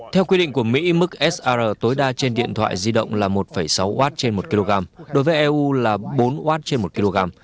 theo quy định của mỹ mức sr tối đa trên điện thoại di động là một sáu w trên một kg đối với eu là bốn w trên một kg